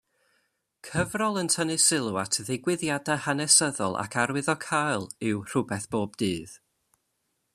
Cyfrol yn tynnu sylw at ddigwyddiadau hanesyddol ac arwyddocaol yw Rhywbeth Bob Dydd.